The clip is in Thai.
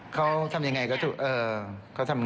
เขาคอยทำอย่างไรเขาทำอย่างไรโทรศัพท์บ้าง